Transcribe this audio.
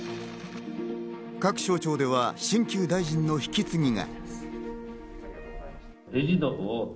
各省庁では新旧大臣の引き継ぎが。